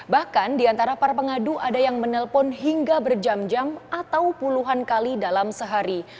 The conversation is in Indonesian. bahkan di antara para pengadu ada yang menelpon hingga berjam jam atau puluhan kali dalam sehari